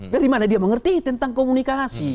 dari mana dia mengerti tentang komunikasi